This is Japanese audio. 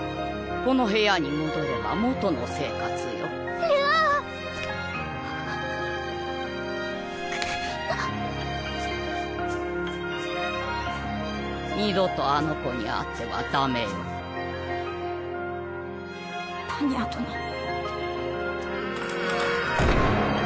この部屋に戻れば元の生活よ流鶯！くっあっ二度とあの子に会ってはダメよドンドン！